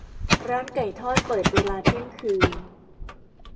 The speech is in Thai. ร้านไก่ทอดเปิดเวลาเที่ยงคืน